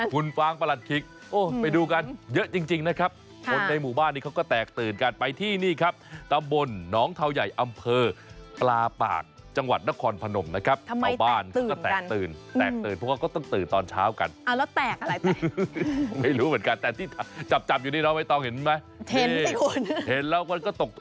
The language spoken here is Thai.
คุณฟ้างประหลัดคิก